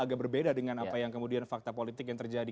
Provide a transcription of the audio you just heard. agak berbeda dengan apa yang kemudian fakta politik yang terjadi